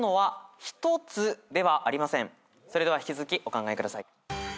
それでは引き続きお考えください。